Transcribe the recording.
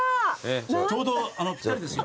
ちょうどぴったりですよ。